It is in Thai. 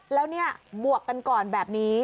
แล้วเนี่ยบวกกันก่อนแบบนี้